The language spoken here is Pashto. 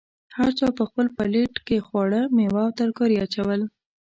هر چا په خپل پلیټ کې خواړه، میوه او ترکاري اچول.